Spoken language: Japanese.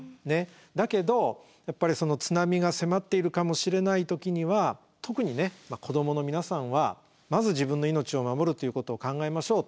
だけどやっぱり津波が迫っているかもしれない時には特にね子どもの皆さんは「まず自分の命を守るということを考えましょう」